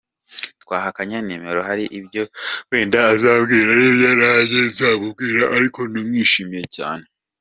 Twahanye nimero hari ibyo wenda azambwira n’ibyo nanjye nzamubwira ariko namwishimiye cyane.